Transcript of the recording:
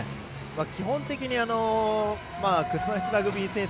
基本的に、車いすラグビー選手